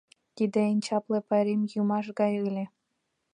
Тиде эн чапле пайрем йӱмаш гай ыле.